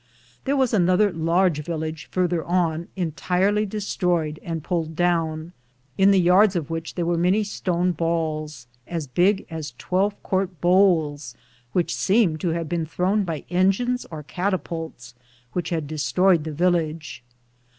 There was another large village farther on, entirely destroyed and pulled down, in the yards of which there were many stone balls, as big as 12 quart bowls, which seemed to have been thrown by engines or catapults, which had destroyed the village.